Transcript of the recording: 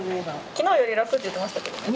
昨日より楽って言ってましたけどね。